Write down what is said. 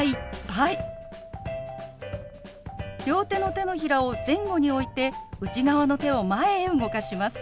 両手の手のひらを前後に置いて内側の手を前へ動かします。